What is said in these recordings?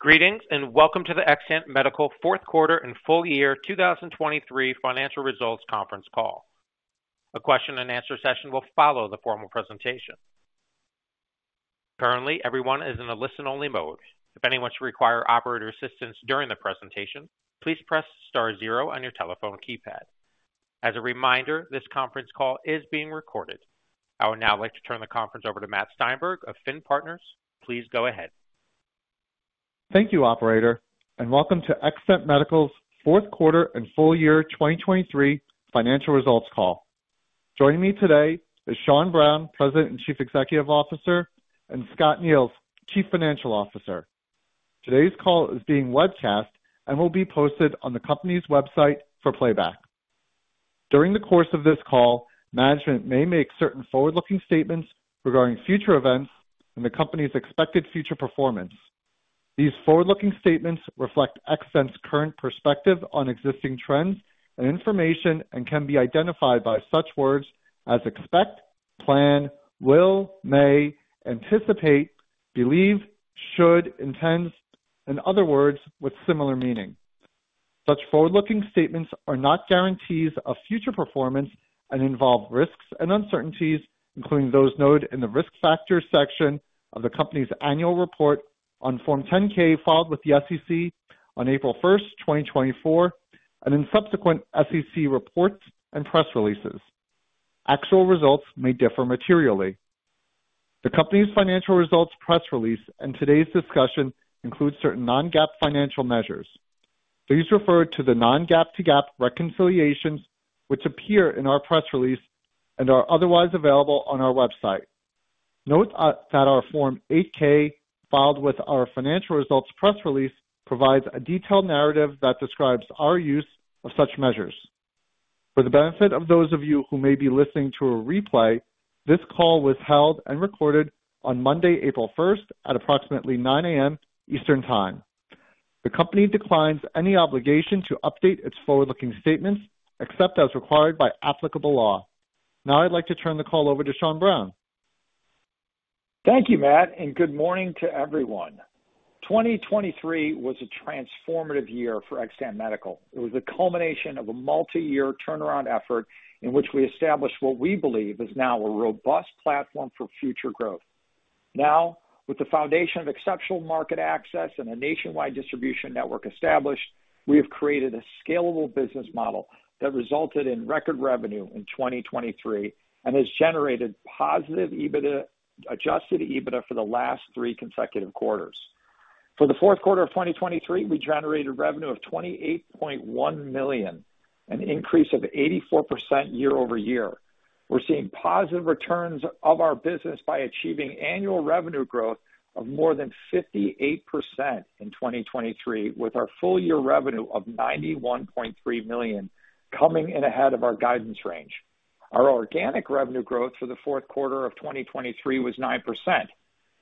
Greetings and welcome to the Xtant Medical fourth quarter and full year 2023 financial results conference call. A question and answer session will follow the formal presentation. Currently everyone is in a listen-only mode. If anyone should require operator assistance during the presentation, please press star zero on your telephone keypad. As a reminder, this conference call is being recorded. I would now like to turn the conference over to Matt Steinberg of Finn Partners. Please go ahead. Thank you, operator, and welcome to Xtant Medical's fourth quarter and full year 2023 financial results call. Joining me today is Sean Browne, President and Chief Executive Officer, and Scott Neils, Chief Financial Officer. Today's call is being webcast and will be posted on the company's website for playback. During the course of this call, management may make certain forward-looking statements regarding future events and the company's expected future performance. These forward-looking statements reflect Xtant's current perspective on existing trends and information and can be identified by such words as expect, plan, will, may, anticipate, believe, should, intends, in other words, with similar meaning. Such forward-looking statements are not guarantees of future performance and involve risks and uncertainties, including those noted in the risk factors section of the company's annual report on Form 10-K filed with the SEC on April 1, 2024, and in subsequent SEC reports and press releases. Actual results may differ materially. The company's financial results press release and today's discussion include certain non-GAAP financial measures. Please refer to the non-GAAP to GAAP reconciliations, which appear in our press release and are otherwise available on our website. Note that our Form 8-K filed with our financial results press release provides a detailed narrative that describes our use of such measures. For the benefit of those of you who may be listening to a replay, this call was held and recorded on Monday, April 1, at approximately 9:00 A.M. Eastern Time. The company declines any obligation to update its forward-looking statements except as required by applicable law. Now I'd like to turn the call over to Sean Browne. Thank you, Matt, and good morning to everyone. 2023 was a transformative year for Xtant Medical. It was the culmination of a multi-year turnaround effort in which we established what we believe is now a robust platform for future growth. Now, with the foundation of exceptional market access and a nationwide distribution network established, we have created a scalable business model that resulted in record revenue in 2023 and has generated positive EBITDA adjusted EBITDA for the last three consecutive quarters. For the fourth quarter of 2023, we generated revenue of $28.1 million, an increase of 84% year-over-year. We're seeing positive returns of our business by achieving annual revenue growth of more than 58% in 2023, with our full year revenue of $91.3 million coming in ahead of our guidance range. Our organic revenue growth for the fourth quarter of 2023 was 9%.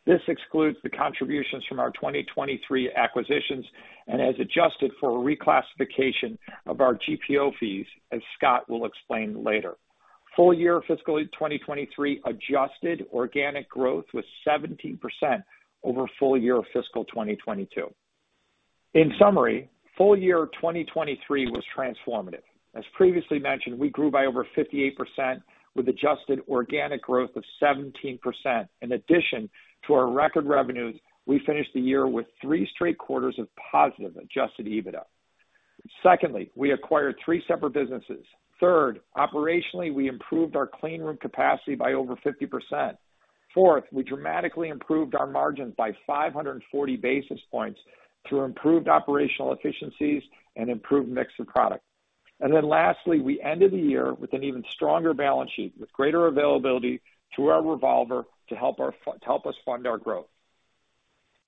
This excludes the contributions from our 2023 acquisitions and has adjusted for a reclassification of our GPO fees, as Scott will explain later. Full year fiscal 2023 adjusted organic growth was 17% over full year fiscal 2022. In summary, full year 2023 was transformative. As previously mentioned, we grew by over 58% with adjusted organic growth of 17%. In addition to our record revenues, we finished the year with three straight quarters of positive adjusted EBITDA. Secondly, we acquired three separate businesses. Third, operationally, we improved our clean room capacity by over 50%. Fourth, we dramatically improved our margins by 540 basis points through improved operational efficiencies and improved mix of product. And then lastly, we ended the year with an even stronger balance sheet, with greater availability through our revolver to help us fund our growth.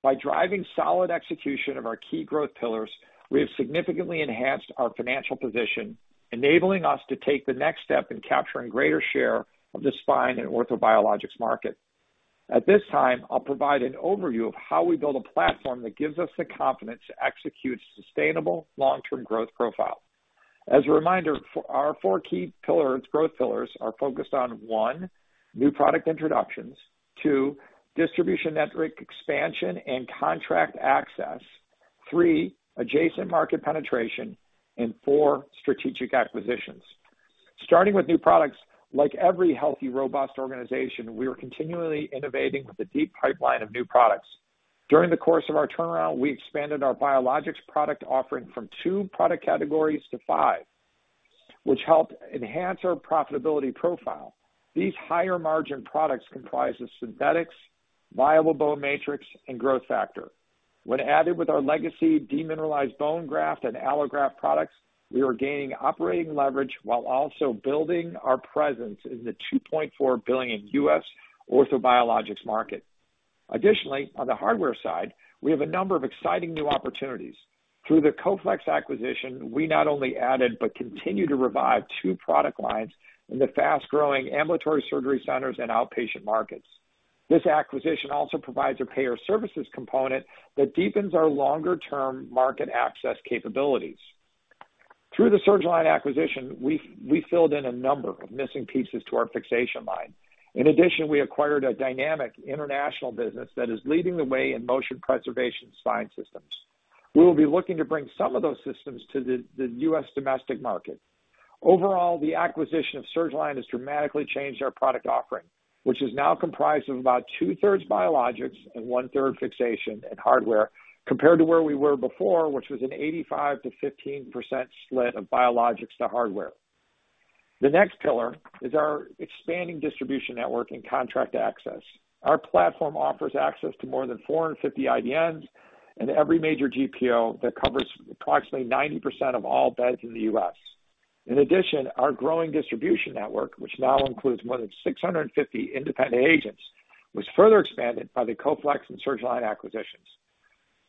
By driving solid execution of our key growth pillars, we have significantly enhanced our financial position, enabling us to take the next step in capturing greater share of the spine and orthobiologics market. At this time, I'll provide an overview of how we build a platform that gives us the confidence to execute sustainable long-term growth profiles. As a reminder, our four key growth pillars are focused on 1, new product introductions, 2, distribution network expansion and contract access, 3, adjacent market penetration, and 4, strategic acquisitions. Starting with new products, like every healthy, robust organization, we are continually innovating with a deep pipeline of new products. During the course of our turnaround, we expanded our biologics product offering from 2 product categories to 5, which helped enhance our profitability profile. These higher margin products comprise the synthetics, Viable Bone Matrix, and growth factor. When added with our legacy demineralized bone graft and allograft products, we are gaining operating leverage while also building our presence in the $2.4 billion U.S. orthobiologics market. Additionally, on the hardware side, we have a number of exciting new opportunities. Through the Coflex acquisition, we not only added but continue to revive two product lines in the fast-growing ambulatory surgery centers and outpatient markets. This acquisition also provides a payer services component that deepens our longer-term market access capabilities. Through the Surgalign acquisition, we filled in a number of missing pieces to our fixation line. In addition, we acquired a dynamic international business that is leading the way in motion preservation spine systems. We will be looking to bring some of those systems to the U.S. domestic market. Overall, the acquisition of Surgalign has dramatically changed our product offering, which is now comprised of about two-thirds biologics and one-third fixation and hardware, compared to where we were before, which was an 85-15% split of biologics to hardware. The next pillar is our expanding distribution network and contract access. Our platform offers access to more than 450 IDNs and every major GPO that covers approximately 90% of all beds in the U.S. In addition, our growing distribution network, which now includes more than 650 independent agents, was further expanded by the Coflex and Surgalign acquisitions.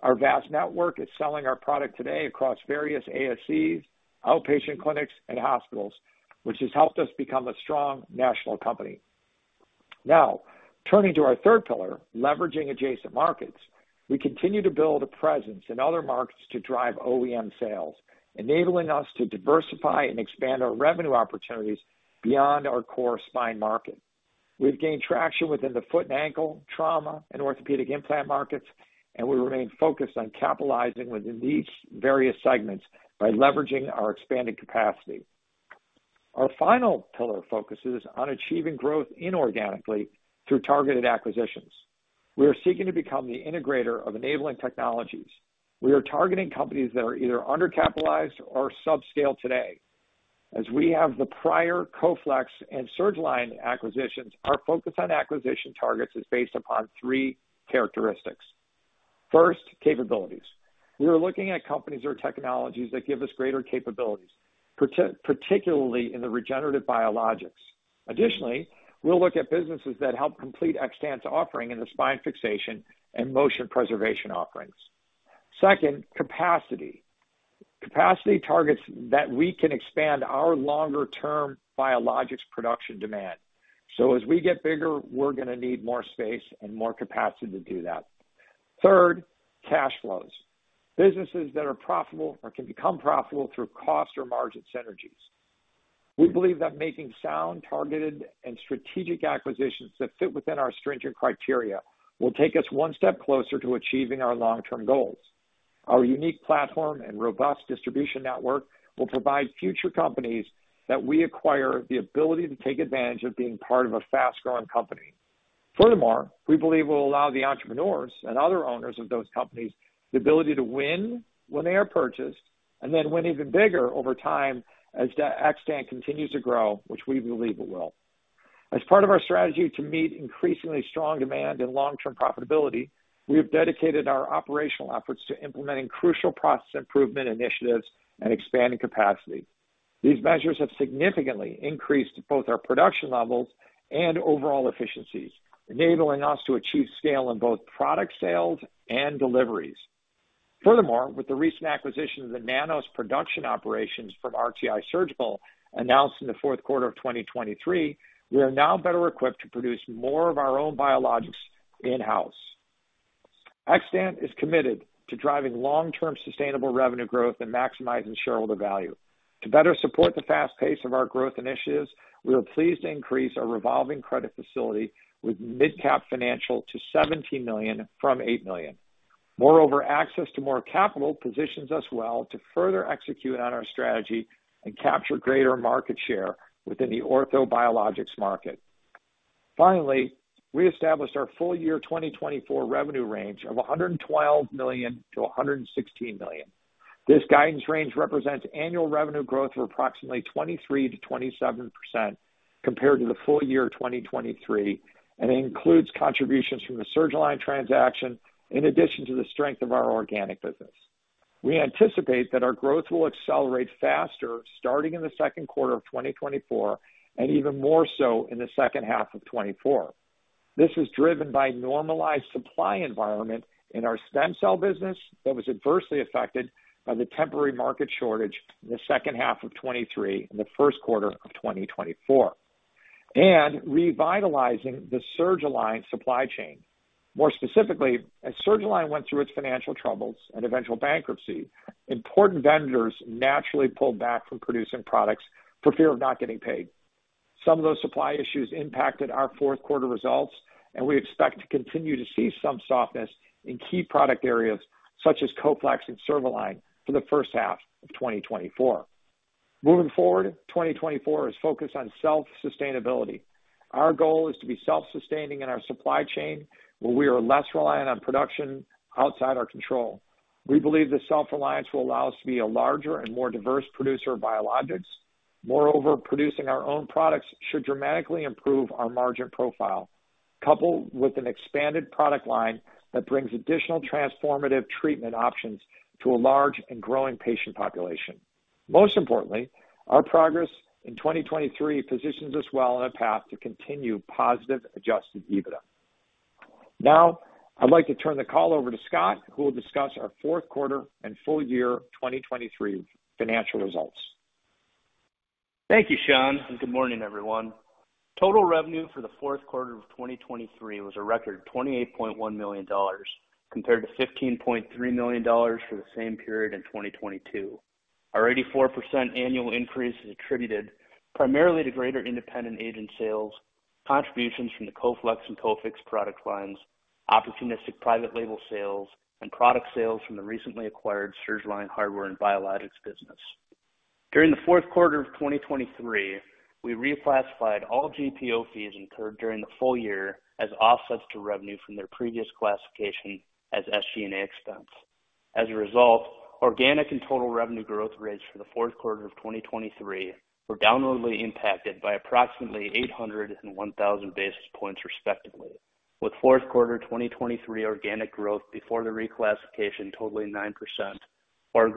Our vast network is selling our product today across various ASCs, outpatient clinics, and hospitals, which has helped us become a strong national company. Now, turning to our third pillar, leveraging adjacent markets, we continue to build a presence in other markets to drive OEM sales, enabling us to diversify and expand our revenue opportunities beyond our core spine market. We've gained traction within the foot and ankle, trauma, and orthopedic implant markets, and we remain focused on capitalizing within these various segments by leveraging our expanded capacity. Our final pillar focuses on achieving growth inorganically through targeted acquisitions. We are seeking to become the integrator of enabling technologies. We are targeting companies that are either undercapitalized or subscale today. As we have the prior Coflex and Surgalign acquisitions, our focus on acquisition targets is based upon three characteristics. First, capabilities. We are looking at companies or technologies that give us greater capabilities, particularly in the regenerative biologics. Additionally, we'll look at businesses that help complete Xtant's offering in the spine fixation and motion preservation offerings. Second, capacity. Capacity targets that we can expand our longer-term biologics production demand. So as we get bigger, we're going to need more space and more capacity to do that. Third, cash flows. Businesses that are profitable or can become profitable through cost or margin synergies. We believe that making sound, targeted, and strategic acquisitions that fit within our stringent criteria will take us one step closer to achieving our long-term goals. Our unique platform and robust distribution network will provide future companies that we acquire the ability to take advantage of being part of a fast-growing company. Furthermore, we believe it will allow the entrepreneurs and other owners of those companies the ability to win when they are purchased and then win even bigger over time as Xtant continues to grow, which we believe it will. As part of our strategy to meet increasingly strong demand and long-term profitability, we have dedicated our operational efforts to implementing crucial process improvement initiatives and expanding capacity. These measures have significantly increased both our production levels and overall efficiencies, enabling us to achieve scale in both product sales and deliveries. Furthermore, with the recent acquisition of the nanOss production operations from RTI Surgical announced in the fourth quarter of 2023, we are now better equipped to produce more of our own biologics in-house. Xtant is committed to driving long-term sustainable revenue growth and maximizing shareholder value. To better support the fast pace of our growth initiatives, we are pleased to increase our revolving credit facility with MidCap Financial to $17 million from $8 million. Moreover, access to more capital positions us well to further execute on our strategy and capture greater market share within the orthobiologics market. Finally, we established our full year 2024 revenue range of $112 million-116 million. This guidance range represents annual revenue growth of approximately 23-27% compared to the full year 2023, and it includes contributions from the Surgalign transaction in addition to the strength of our organic business. We anticipate that our growth will accelerate faster starting in the second quarter of 2024 and even more so in the second half of 2024. This is driven by a normalized supply environment in our stem cell business that was adversely affected by the temporary market shortage in the second half of 2023 and the first quarter of 2024, and revitalizing the Surgalign supply chain. More specifically, as Surgalign went through its financial troubles and eventual bankruptcy, important vendors naturally pulled back from producing products for fear of not getting paid. Some of those supply issues impacted our fourth quarter results, and we expect to continue to see some softness in key product areas such as Coflex and Surgalign for the first half of 2024. Moving forward, 2024 is focused on self-sustainability. Our goal is to be self-sustaining in our supply chain where we are less reliant on production outside our control. We believe this self-reliance will allow us to be a larger and more diverse producer of biologics. Moreover, producing our own products should dramatically improve our margin profile, coupled with an expanded product line that brings additional transformative treatment options to a large and growing patient population. Most importantly, our progress in 2023 positions us well on a path to continue positive Adjusted EBITDA. Now, I'd like to turn the call over to Scott, who will discuss our fourth quarter and full year 2023 financial results. Thank you, Sean, and good morning, everyone. Total revenue for the fourth quarter of 2023 was a record $28.1 million compared to $15.3 million for the same period in 2022. Our 84% annual increase is attributed primarily to greater independent agent sales, contributions from the Coflex and Cofix product lines, opportunistic private label sales, and product sales from the recently acquired Surgalign hardware and biologics business. During the fourth quarter of 2023, we reclassified all GPO fees incurred during the full year as offsets to revenue from their previous classification as SG&A expense. As a result, organic and total revenue growth rates for the fourth quarter of 2023 were downwardly impacted by approximately 800 and 1,000 basis points, respectively, with fourth quarter 2023 organic growth before the reclassification totally 9%, while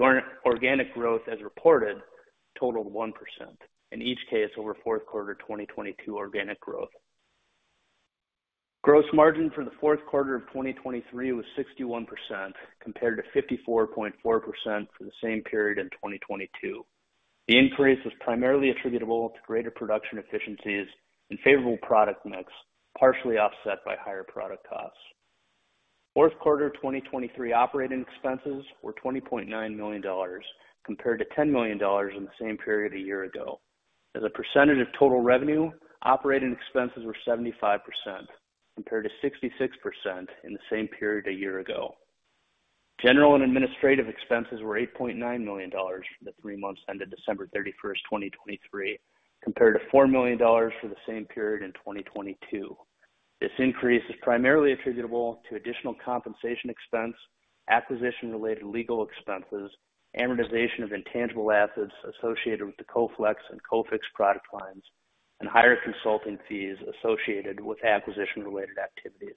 organic growth as reported totaled 1% in each case over fourth quarter 2022 organic growth. Gross margin for the fourth quarter of 2023 was 61% compared to 54.4% for the same period in 2022. The increase was primarily attributable to greater production efficiencies and favorable product mix, partially offset by higher product costs. Fourth quarter 2023 operating expenses were $20.9 million compared to $10 million in the same period a year ago. As a percentage of total revenue, operating expenses were 75% compared to 66% in the same period a year ago. General and administrative expenses were $8.9 million for the three months ended December 31st, 2023, compared to $4 million for the same period in 2022. This increase is primarily attributable to additional compensation expense, acquisition-related legal expenses, amortization of intangible assets associated with the Coflex and Cofix product lines, and higher consulting fees associated with acquisition-related activities.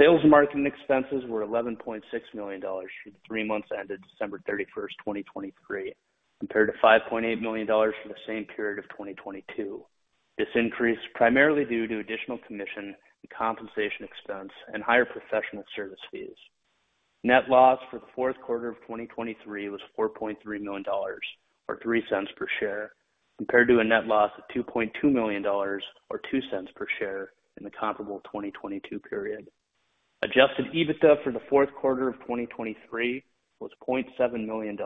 Sales and marketing expenses were $11.6 million for the three months ended December 31st, 2023, compared to $5.8 million for the same period of 2022. This increase is primarily due to additional commission and compensation expense and higher professional service fees. Net loss for the fourth quarter of 2023 was $4.3 million or $0.03 per share, compared to a net loss of $2.2 million or $0.02 per share in the comparable 2022 period. Adjusted EBITDA for the fourth quarter of 2023 was $0.7 million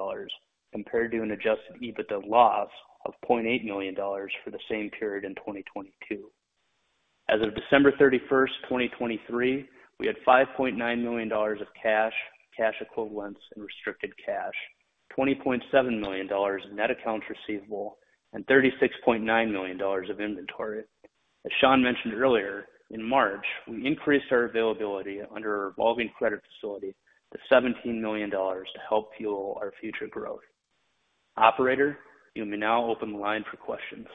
compared to an adjusted EBITDA loss of $0.8 million for the same period in 2022. As of December 31st, 2023, we had $5.9 million of cash, cash equivalents, and restricted cash, $20.7 million in net accounts receivable, and $36.9 million of inventory. As Sean mentioned earlier, in March, we increased our availability under our revolving credit facility to $17 million to help fuel our future growth. Operator, you may now open the line for questions.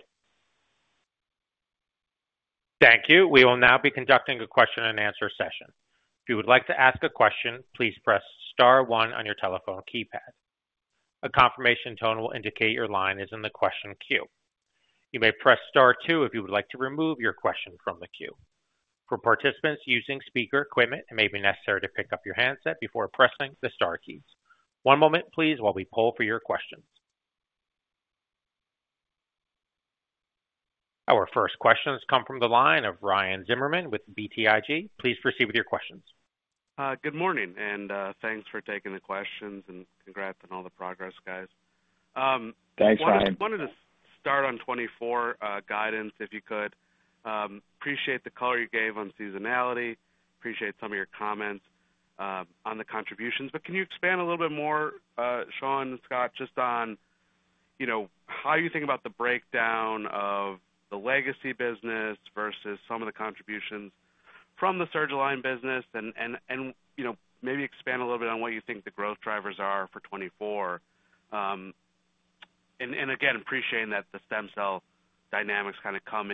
Thank you. We will now be conducting a question-and-answer session. If you would like to ask a question, please press star one on your telephone keypad. A confirmation tone will indicate your line is in the question queue. You may press star two if you would like to remove your question from the queue. For participants using speaker equipment, it may be necessary to pick up your handset before pressing the star keys. One moment, please, while we pull for your questions. Our first questions come from the line of Ryan Zimmerman with BTIG. Please proceed with your questions. Good morning, and thanks for taking the questions, and congrats on all the progress, guys. Thanks, Ryan. I wanted to start on 2024 guidance, if you could. Appreciate the color you gave on seasonality. Appreciate some of your comments on the contributions. But can you expand a little bit more, Sean and Scott, just on how you think about the breakdown of the legacy business versus some of the contributions from the Surgalign business, and maybe expand a little bit on what you think the growth drivers are for 2024? And again, appreciating that the stem cell dynamics kind of come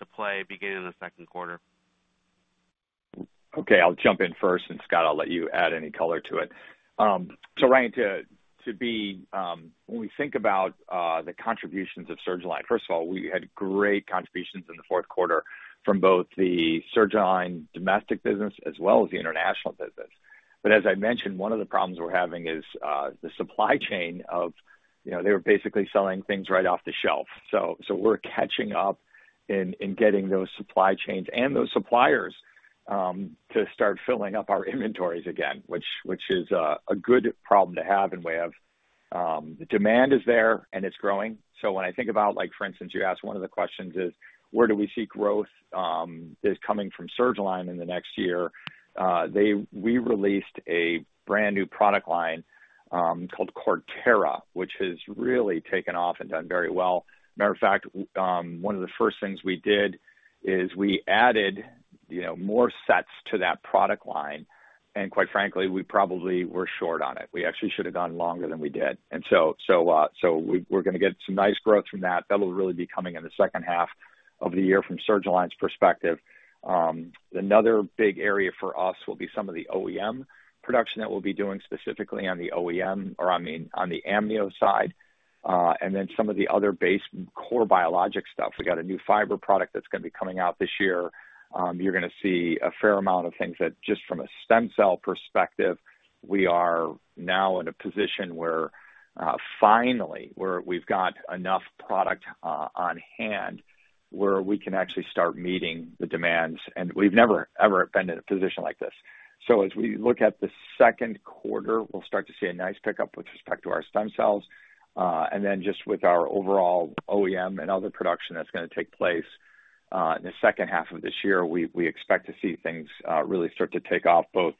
into play beginning in the second quarter. Okay. I'll jump in first, and Scott, I'll let you add any color to it. So Ryan, to be when we think about the contributions of Surgalign, first of all, we had great contributions in the fourth quarter from both the Surgalign domestic business as well as the international business. But as I mentioned, one of the problems we're having is the supply chain of they were basically selling things right off the shelf. So we're catching up in getting those supply chains and those suppliers to start filling up our inventories again, which is a good problem to have in way of the demand is there, and it's growing. So when I think about for instance, you asked one of the questions is, "Where do we see growth coming from Surgalign in the next year?" We released a brand new product line called Cortera, which has really taken off and done very well. Matter of fact, one of the first things we did is we added more sets to that product line, and quite frankly, we probably were short on it. We actually should have gone longer than we did. And so we're going to get some nice growth from that. That'll really be coming in the second half of the year from Surgalign's perspective. Another big area for us will be some of the OEM production that we'll be doing specifically on the OEM or I mean, on the amnio side, and then some of the other base core biologic stuff. We got a new fiber product that's going to be coming out this year. You're going to see a fair amount of things that just from a stem cell perspective, we are now in a position where finally we've got enough product on hand where we can actually start meeting the demands. And we've never, ever been in a position like this. So as we look at the second quarter, we'll start to see a nice pickup with respect to our stem cells. And then just with our overall OEM and other production that's going to take place in the second half of this year, we expect to see things really start to take off both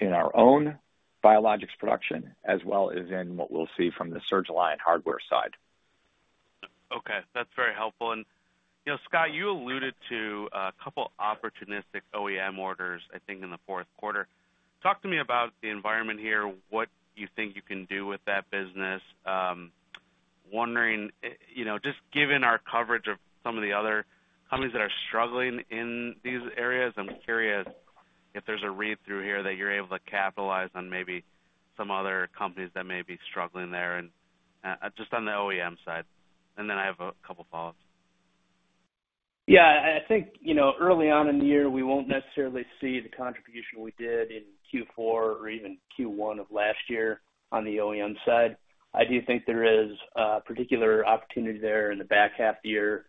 in our own biologics production as well as in what we'll see from the Surgalign hardware side. Okay. That's very helpful. And Scott, you alluded to a couple of opportunistic OEM orders, I think, in the fourth quarter. Talk to me about the environment here, what you think you can do with that business. Wondering, just given our coverage of some of the other companies that are struggling in these areas, I'm curious if there's a read-through here that you're able to capitalize on maybe some other companies that may be struggling there just on the OEM side. And then I have a couple of follow-ups. Yeah. I think early on in the year, we won't necessarily see the contribution we did in Q4 or even Q1 of last year on the OEM side. I do think there is a particular opportunity there in the back half of the year,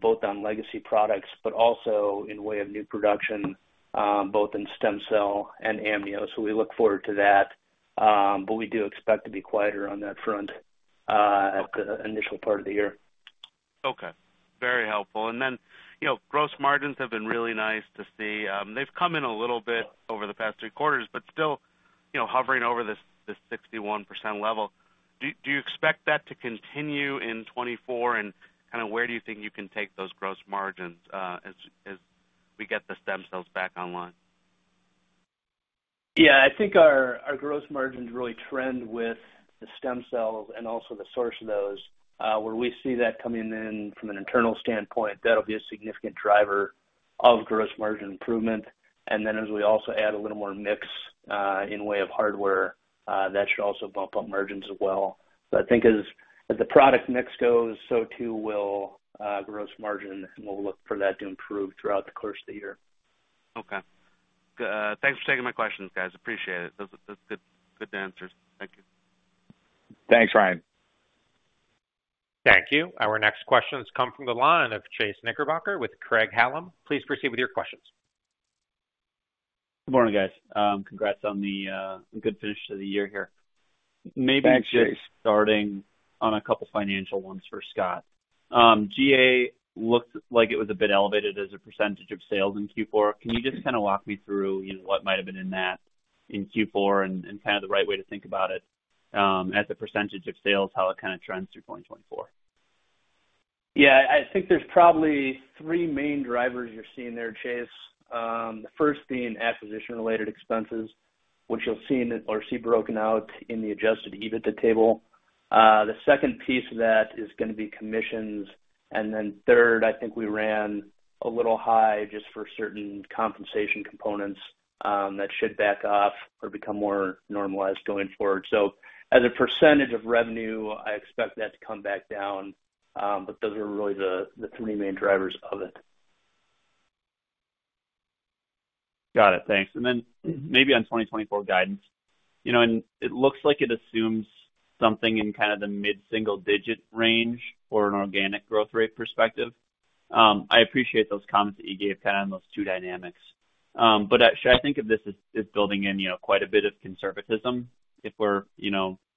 both on legacy products but also in way of new production, both in stem cell and amnio. So we look forward to that. But we do expect to be quieter on that front at the initial part of the year. Okay. Very helpful. And then gross margins have been really nice to see. They've come in a little bit over the past three quarters but still hovering over the 61% level. Do you expect that to continue in 2024, and kind of where do you think you can take those gross margins as we get the stem cells back online? Yeah. I think our gross margins really trend with the stem cells and also the source of those. Where we see that coming in from an internal standpoint, that'll be a significant driver of gross margin improvement. And then as we also add a little more mix in way of hardware, that should also bump up margins as well. But I think as the product mix goes, so too will gross margin, and we'll look for that to improve throughout the course of the year. Okay. Thanks for taking my questions, guys. Appreciate it. Those are good answers. Thank you. Thanks, Ryan. Thank you. Our next questions come from the line of Chase Knickerbocker with Craig-Hallum. Please proceed with your questions. Good morning, guys. Congrats on the good finish to the year here. Maybe starting on a couple of financial ones for Scott. GA looked like it was a bit elevated as a percentage of sales in Q4. Can you just kind of walk me through what might have been in that in Q4 and kind of the right way to think about it as a percentage of sales, how it kind of trends through 2024? Yeah. I think there's probably three main drivers you're seeing there, Chase. The first being acquisition-related expenses, which you'll see broken out in the Adjusted EBITDA table. The second piece of that is going to be commissions. And then third, I think we ran a little high just for certain compensation components that should back off or become more normalized going forward. So as a percentage of revenue, I expect that to come back down. But those are really the three main drivers of it. Got it. Thanks. And then maybe on 2024 guidance. And it looks like it assumes something in kind of the mid-single-digit range for an organic growth rate perspective. I appreciate those comments that you gave kind of on those two dynamics. But should I think of this as building in quite a bit of conservatism if we're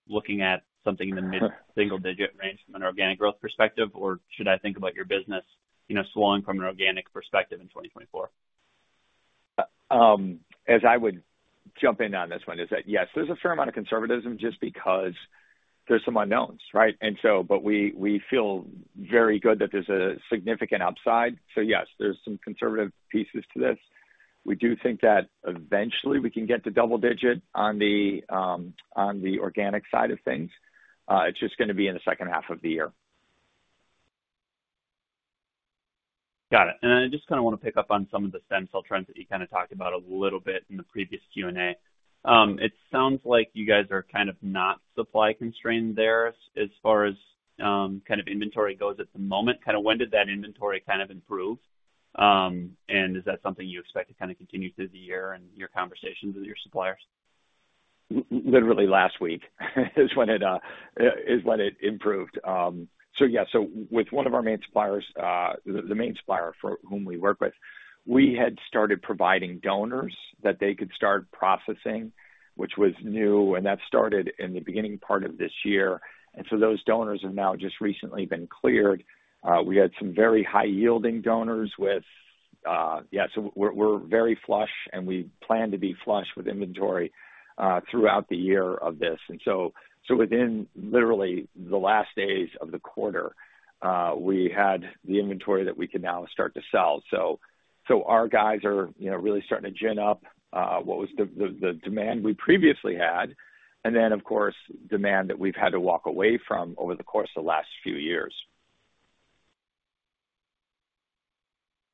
looking at something in the mid-single-digit range from an organic growth perspective, or should I think about your business swelling from an organic perspective in 2024? As I would jump in on this one, is that yes, there's a fair amount of conservatism just because there's some unknowns, right? But we feel very good that there's a significant upside. So yes, there's some conservative pieces to this. We do think that eventually, we can get to double-digit on the organic side of things. It's just going to be in the second half of the year. Got it. I just kind of want to pick up on some of the stem cell trends that you kind of talked about a little bit in the previous Q&A. It sounds like you guys are kind of not supply-constrained there as far as kind of inventory goes at the moment. Kind of when did that inventory kind of improve? And is that something you expect to kind of continue through the year and your conversations with your suppliers? Literally last week is when it improved. So yeah. So with one of our main suppliers, the main supplier for whom we work with, we had started providing donors that they could start processing, which was new. And that started in the beginning part of this year. And so those donors have now just recently been cleared. We had some very high-yielding donors with yeah. So we're very flush, and we plan to be flush with inventory throughout the year of this. And so within literally the last days of the quarter, we had the inventory that we can now start to sell. So our guys are really starting to gin up what was the demand we previously had and then, of course, demand that we've had to walk away from over the course of the last few years.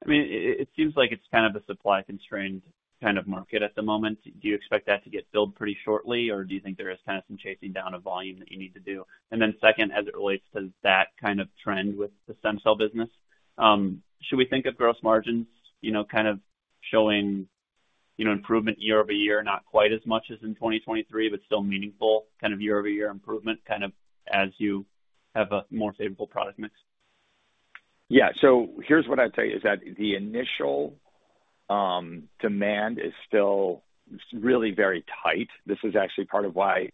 I mean, it seems like it's kind of a supply-constrained kind of market at the moment. Do you expect that to get filled pretty shortly, or do you think there is kind of some chasing down of volume that you need to do? And then second, as it relates to that kind of trend with the stem cell business, should we think of gross margins kind of showing improvement year-over-year, not quite as much as in 2023, but still meaningful kind of year-over-year improvement kind of as you have a more favorable product mix? Yeah. So here's what I'd say, is that the initial demand is still really very tight. This is actually part of why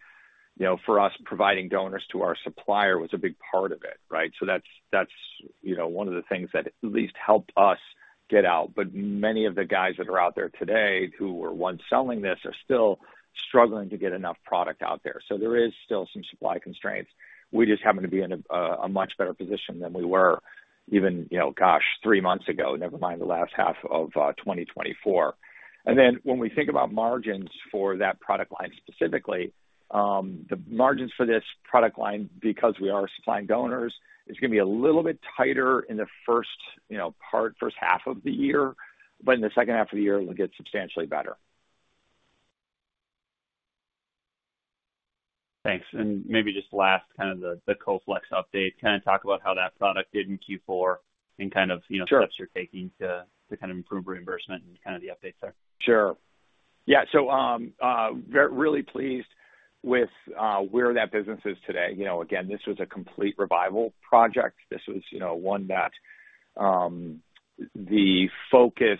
for us, providing donors to our supplier was a big part of it, right? So that's one of the things that at least helped us get out. But many of the guys that are out there today who were once selling this are still struggling to get enough product out there. So there is still some supply constraints. We just happen to be in a much better position than we were, even, gosh, three months ago, never mind the last half of 2024. And then when we think about margins for that product line specifically, the margins for this product line, because we are supplying donors, is going to be a little bit tighter in the first half of the year. But in the second half of the year, it'll get substantially better. Thanks. Maybe just last, kind of the Coflex update, kind of talk about how that product did in Q4 and kind of steps you're taking to kind of improve reimbursement and kind of the updates there? Sure. Yeah. So really pleased with where that business is today. Again, this was a complete revival project. This was one that the focus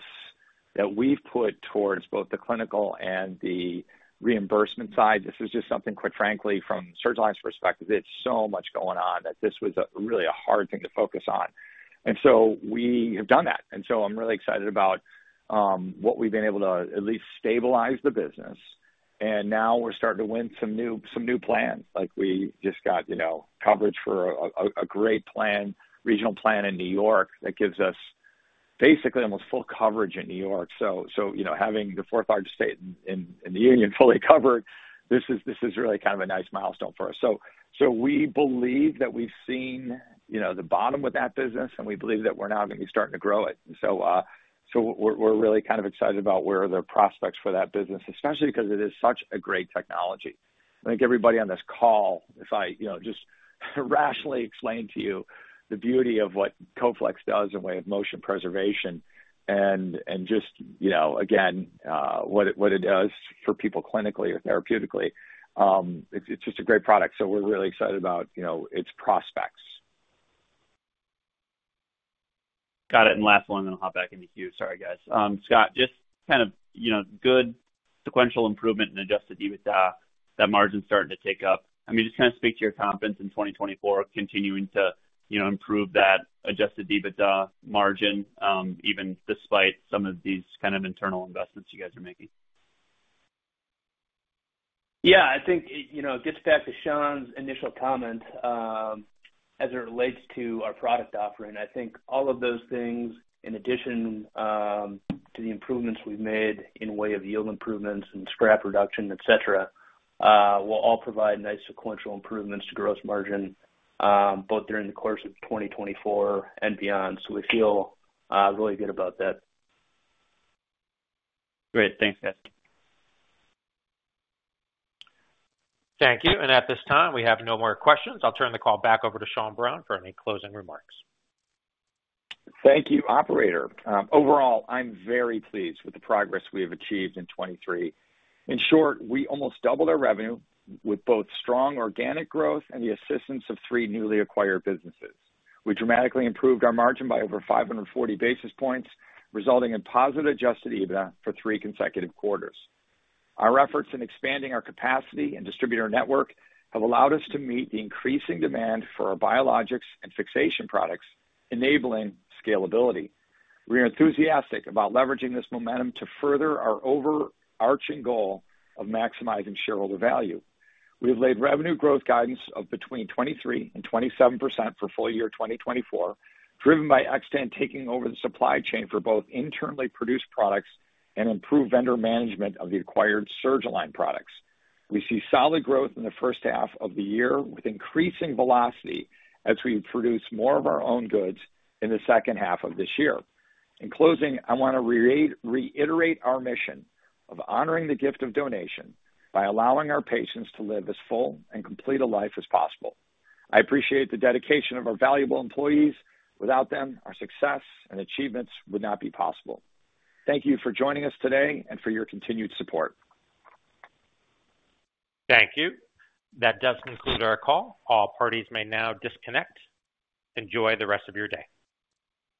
that we've put towards both the clinical and the reimbursement side, this is just something, quite frankly, from Surgalign's perspective, there's so much going on that this was really a hard thing to focus on. And so we have done that. And so I'm really excited about what we've been able to at least stabilize the business. And now we're starting to win some new plans. We just got coverage for a great regional plan in New York that gives us basically almost full coverage in New York. So having the fourth-largest state in the union fully covered, this is really kind of a nice milestone for us. So we believe that we've seen the bottom with that business, and we believe that we're now going to be starting to grow it. And so we're really kind of excited about where the prospects for that business, especially because it is such a great technology. I think everybody on this call, if I just rationally explain to you the beauty of what Coflex does in way of motion preservation and just, again, what it does for people clinically or therapeutically, it's just a great product. So we're really excited about its prospects. Got it. And last one, I'm going to hop back into queue. Sorry, guys. Scott, just kind of good sequential improvement in Adjusted EBITDA, that margin starting to take up. I mean, just kind of speak to your confidence in 2024 continuing to improve that Adjusted EBITDA margin even despite some of these kind of internal investments you guys are making. Yeah. I think it gets back to Sean's initial comment as it relates to our product offering. I think all of those things, in addition to the improvements we've made in way of yield improvements and scrap reduction, etc., will all provide nice sequential improvements to gross margin both during the course of 2024 and beyond. So we feel really good about that. Great. Thanks, guys. Thank you. At this time, we have no more questions. I'll turn the call back over to Sean Browne for any closing remarks. Thank you, operator. Overall, I'm very pleased with the progress we have achieved in 2023. In short, we almost doubled our revenue with both strong organic growth and the assistance of three newly acquired businesses. We dramatically improved our margin by over 540 basis points, resulting in positive adjusted EBITDA for three consecutive quarters. Our efforts in expanding our capacity and distributor network have allowed us to meet the increasing demand for our biologics and fixation products, enabling scalability. We are enthusiastic about leveraging this momentum to further our overarching goal of maximizing shareholder value. We have laid revenue growth guidance of between 23% and 27% for full year 2024, driven by Xtant taking over the supply chain for both internally produced products and improved vendor management of the acquired Surgalign products. We see solid growth in the first half of the year with increasing velocity as we produce more of our own goods in the second half of this year. In closing, I want to reiterate our mission of honoring the gift of donation by allowing our patients to live as full and complete a life as possible. I appreciate the dedication of our valuable employees. Without them, our success and achievements would not be possible. Thank you for joining us today and for your continued support. Thank you. That does conclude our call. All parties may now disconnect. Enjoy the rest of your day.